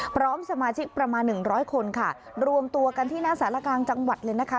พร้อมสมาชิกประมาณหนึ่งร้อยคนค่ะรวมตัวกันที่หน้าสารกลางจังหวัดเลยนะคะ